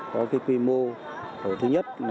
có quy mô hồ thứ nhất